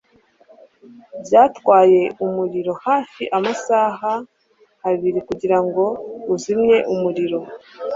Byatwaye umuriro hafi amasaha abiri kugirango uzimye umuriro